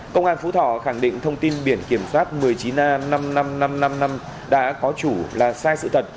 công an phú thọ khẳng định thông tin biển kiểm soát một mươi chín a năm mươi năm nghìn năm trăm năm mươi năm đã có chủ là sai sự thật